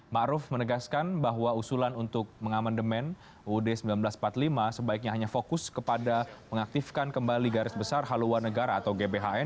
⁇ maruf ⁇ menegaskan bahwa usulan untuk mengamandemen uud seribu sembilan ratus empat puluh lima sebaiknya hanya fokus kepada mengaktifkan kembali garis besar haluan negara atau gbhn